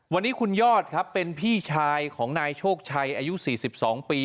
วันนี้คุณยอดครับเป็นพี่ชายของนายโชคชัยอายุ๔๒ปี